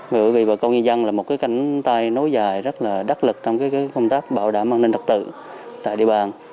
bởi vì bà con nhân dân là một cái cánh tay nối dài rất là đắc lực trong công tác bảo đảm an ninh trật tự tại địa bàn